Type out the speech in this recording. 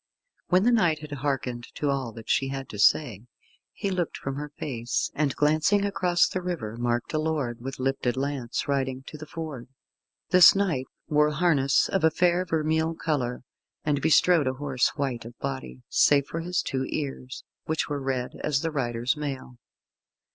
When the knight had hearkened to all that she had to say, he looked from her face, and glancing across the river, marked a lord, with lifted lance, riding to the ford. This knight wore harness of a fair vermeil colour, and bestrode a horse white of body, save for his two ears, which were red as the rider's mail.